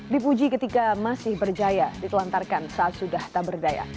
dipuji ketika masih berjaya ditelantarkan saat sudah tak berdaya